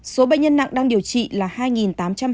hai số bệnh nhân nặng đang điều trị là hai tám trăm hai mươi bảy ca